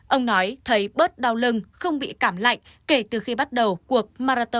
ông nói thấy bớt đau lưng không bị cảm lạnh kể từ khi bắt đầu cuộc marathon tiêm phòng